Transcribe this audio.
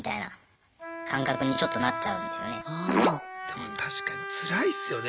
でも確かにつらいっすよね。